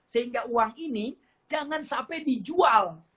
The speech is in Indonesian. sehingga uang ini jangan sampai dijual